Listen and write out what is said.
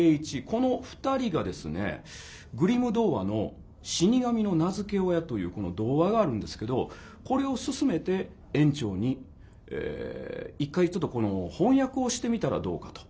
この２人がですねグリム童話の「死神の名付け親」というこの童話があるんですけどこれをすすめて圓朝に一回ちょっとこの翻訳をしてみたらどうかと。